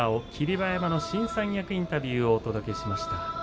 馬山の新三役インタビューをお届けしました。